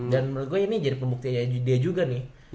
dan menurut gua ini jadi pembuktianya dia juga nih